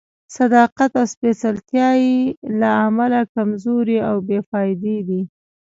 صداقت او سپېڅلتیا بې له علمه کمزوري او بې فائدې دي.